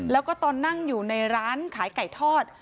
แล้วก็ตอนนั่งอยู่ในร้านขายไก่ทอด